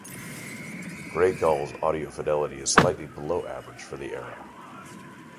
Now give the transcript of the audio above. Grey Gull's audio fidelity is slightly below average for the era.